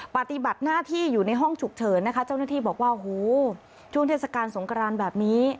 ปฏิบัติหน้าที่อยู่ในห้องฉุกเฉินนะคะเจ้าหน้าที่บอกว่าโหช่วงเทศกาลสงครานแบบนี้